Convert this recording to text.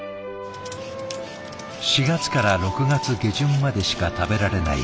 ４月から６月下旬までしか食べられない